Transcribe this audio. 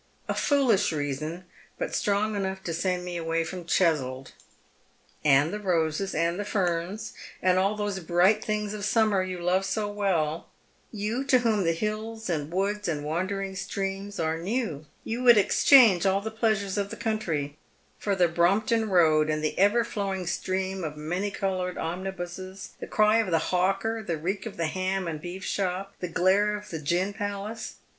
A foolish reason. But strong enough to send me away from Cheswold." " And the roses, and the ferns, and all those bright things of summer you love so well — you to whom the hills and woods and wandering streams are new. You would exchange all the jleasures of the country for the Brompton Hoad and the ever flowing stream of many coloured omnibuses, the cry of the hawker, the reek of the ham and beef shop, the glare of the gin palace